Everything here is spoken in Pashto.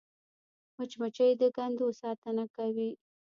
مچمچۍ د کندو ساتنه کوي